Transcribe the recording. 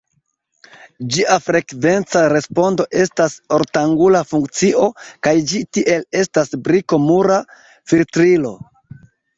Ĝia frekvenca respondo estas ortangula funkcio, kaj ĝi tiel estas briko-mura filtrilo.